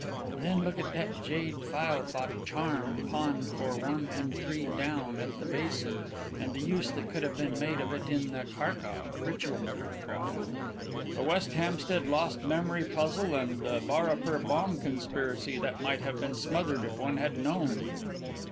Then look at that jade fylfot charm pawned for one and three down at the Basin and the use that could have been made of it in the Kharkov 'ritual murder' trial." "The West Hampstead Lost Memory puzzle and the Baripur bomb conspiracy that might have been smothered if one had known."